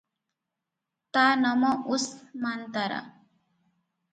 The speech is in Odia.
ତା’ ନମ ଉସ୍-ମାନ୍-ତା-ରା!